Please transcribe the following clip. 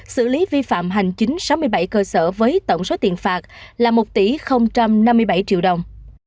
xử lý vi phạm hành chính sáu mươi bảy cơ sở với tổng số tiền phạt là một tỷ năm mươi bảy triệu đồng